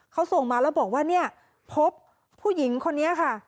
เขาส่งมาแล้วบอกว่าเนี่ยพบผู้หญิงคนนี้ค่ะ